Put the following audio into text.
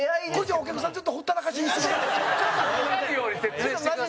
お客さん、ちょっとほったらかしにします。